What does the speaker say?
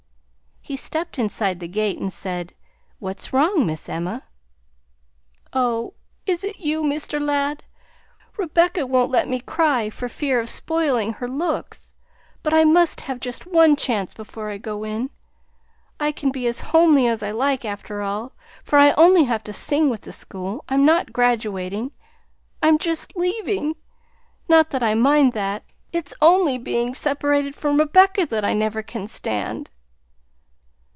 He stepped inside the gate and said, "What's wrong, Miss Emma?" "Oh, is it you, Mr. Ladd? Rebecca wouldn't let me cry for fear of spoiling my looks, but I must have just one chance before I go in. I can be as homely as I like, after all, for I only have to sing with the school; I'm not graduating, I'm just leaving! Not that I mind that; it's only being separated from Rebecca that I never can stand!"